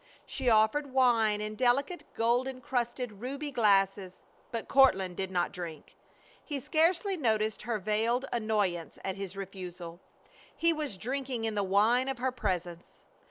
She offered wine in delicate gold incrusted ruby glasses, but Courtland did not drink. He scarcely noticed her veiled annoyance at his refusal. He was drinking in the wine of her presence.